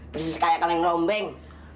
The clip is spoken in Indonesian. persis kayak kaleng rombeng